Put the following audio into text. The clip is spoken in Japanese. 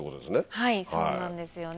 はいそうなんですよね。